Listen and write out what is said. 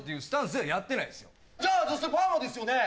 じゃあそしてパーマですよね？